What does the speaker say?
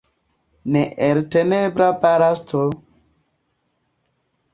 Neeltenebla balasto!